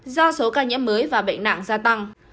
do số ca nhiễm mới và bệnh nhân